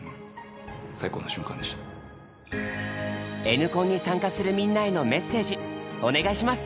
「Ｎコン」に参加するみんなへのメッセージお願いします！